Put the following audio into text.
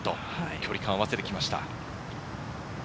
距離感を合わせてきました。